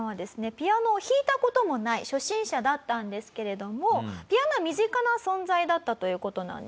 ピアノを弾いた事もない初心者だったんですけれどもピアノは身近な存在だったという事なんですね。